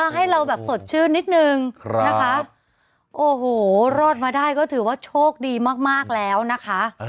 ให้เราแบบสดชื่นนิดนึงนะคะโอ้โหรอดมาได้ก็ถือว่าโชคดีมากแล้วนะคะ